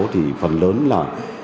thì phần lớn là